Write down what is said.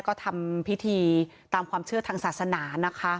ก็ทำพิธีตามความเชื่อทางศาสนานะคะ